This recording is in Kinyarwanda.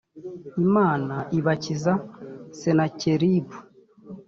imana ibakiza senakeribu